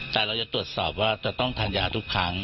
แต่เราจะตรวจสอบว่าจะต้องทานยาทุกครั้ง